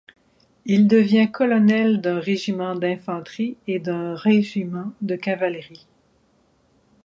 Il devient colonel d'un régiment d'infanterie et d'un régiment de cavalerie.